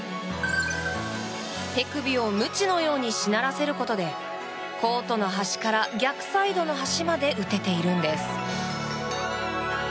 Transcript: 手首をむちのようにしならせることでコートの端から逆サイドの端まで打てているんです。